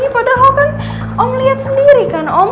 padahal kan om lihat sendiri kan om